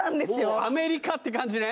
もうアメリカって感じね